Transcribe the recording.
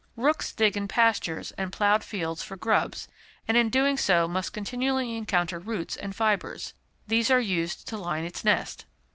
Rooks dig in pastures and ploughed fields for grubs, and in doing so must continually encounter roots and fibres. These are used to line its nest.